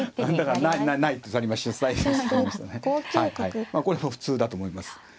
これも普通だと思います。